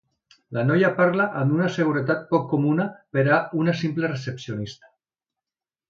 La noia parla amb una seguretat poc comuna per a una simple recepcionista.